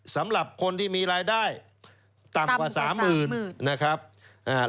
๓๐๐สำหรับคนที่มีรายได้ต่ำกว่า๓๐๐๐๐บาท